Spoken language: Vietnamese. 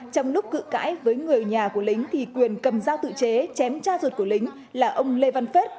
trong lúc cự cãi với người nhà của lính thì quyền cầm dao tự chế chém cha ruột của lính là ông lê văn phết